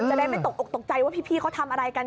จะได้ไม่ตกออกตกใจว่าพี่เขาทำอะไรกัน